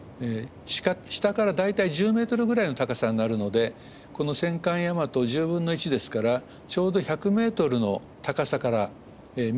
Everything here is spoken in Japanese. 下から大体１０ｍぐらいの高さになるのでこの戦艦大和１０分の１ですからちょうど１００ｍの高さから見たような感じで見えるわけですね。